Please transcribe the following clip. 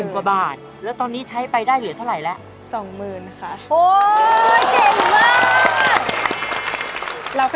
เก่งมาก